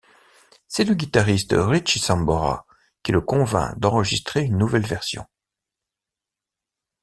C'est le guitariste Richie Sambora qui le convainc d'enregistrer une nouvelle version.